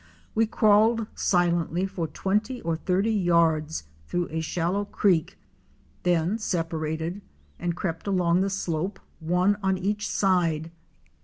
We crawled silently for twenty or thirty yards through a shallow creek, then separated and crept along the slope, one on each side.